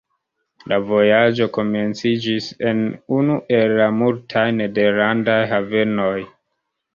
La vojaĝo komenciĝis en unu el la multaj nederlandaj havenoj.